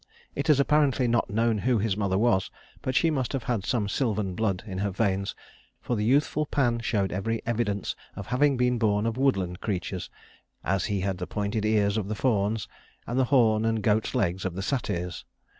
It is apparently not known who his mother was, but she must have had some sylvan blood in her veins, for the youthful Pan showed every evidence of having been born of woodland creatures, as he had the pointed ears of the fauns, and the horns and goat's legs of the satyrs.